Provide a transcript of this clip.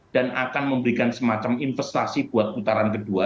dan akan memberikan semacam investasi buat putaran kedua